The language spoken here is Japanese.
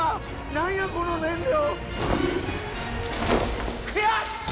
何やこの燃料。